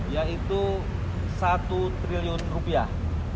yaitu satu triliun rupiah